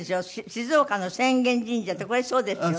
静岡の浅間神社ってこれそうですよね？